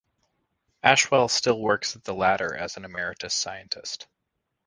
Ashwell still works at the latter as an emeritus scientist.